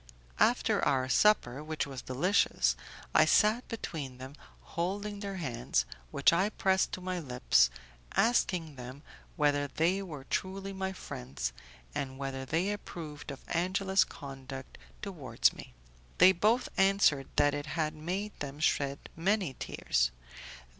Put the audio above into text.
After our supper, which was delicious, I sat between them, holding their hands, which I pressed to my lips, asking them whether they were truly my friends, and whether they approved of Angela's conduct towards me. They both answered that it had made them shed many tears.